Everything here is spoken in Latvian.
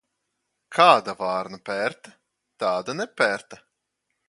Kāda vārna pērta, tāda nepērta.